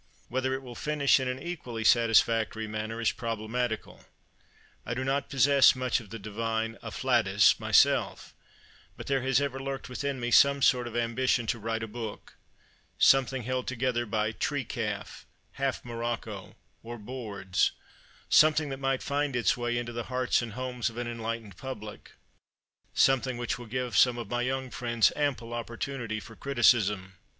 Whether it will finish in an equally satisfactory manner is problematical. I do not possess much of the divine afflatus myself; but there has ever lurked within me some sort of ambition to write a book something held together by "tree calf," "half morocco," or "boards"; something that might find its way into the hearts and homes of an enlightened public; something which will give some of my young friends ample opportunity for criticism.